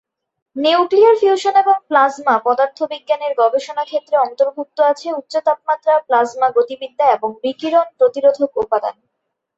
Nuclear fusion এবং plasma পদার্থবিজ্ঞানের গবেষণা ক্ষেত্রে অন্তর্ভুক্ত আছে উচ্চ তাপমাত্রা, প্লাজমা গতিবিদ্যা এবং বিকিরণ প্রতিরোধক উপাদান।